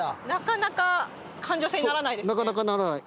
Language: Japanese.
なかなかならない。